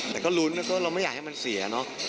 แต่ก็ลุ้นแล้วก็เราไม่อยากให้มันเสียเนอะ